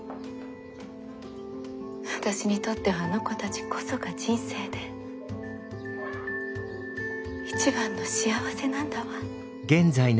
私にとってはあの子たちこそが人生で一番の幸せなんだわ。